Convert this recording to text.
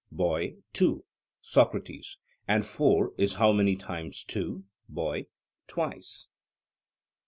BOY: Two. SOCRATES: And four is how many times two? BOY: Twice.